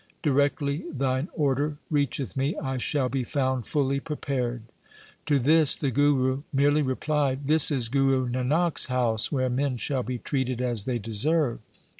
Directly thine order reacheth me, I shall be found fully prepared.' To this the Guru merely replied, ' This is Guru Nanak's house, where men shall be treated as they deserve.'